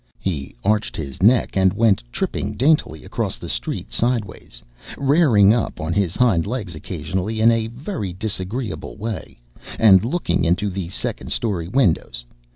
He arched his neck and went tripping daintily across the street sideways, "rairing up" on his hind legs occasionally, in a very disagreeable way, and looking into the second story windows.